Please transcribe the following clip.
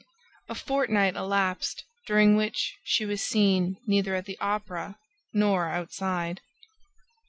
A fortnight elapsed during which she was seen neither at the Opera nor outside.